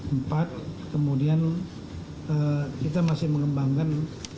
empat kemudian kita masih mengembangkan